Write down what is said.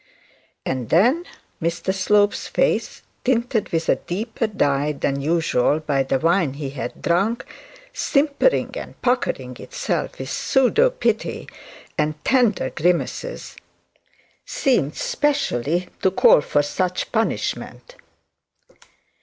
And then Mr Slope's face, tinted with a deeper dye than usual by the wine he had drunk, simpering and puckering itself with pseudo piety and tender grimaces, seemed specially to call for such punishment.